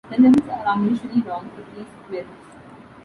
The limbs are unusually long for tree squirrels.